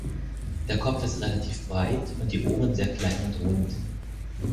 Der Kopf ist relativ breit und die Ohren sehr klein und rund.